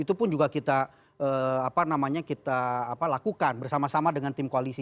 itu pun juga kita apa namanya kita apa lakukan bersama sama dengan tim koalisi